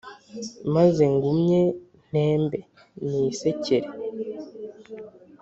Maze ngumye ntembe nisekere